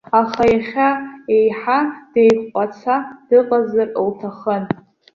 Аха иахьа еиҳа деиқәҟаца дыҟазар лҭахын.